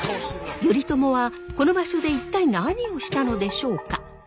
頼朝はこの場所で一体何をしたのでしょうか？